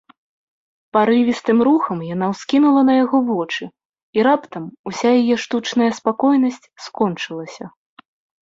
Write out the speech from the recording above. Парывістым рухам яна ўскінула на яго вочы, і раптам уся яе штучная спакойнасць скончылася.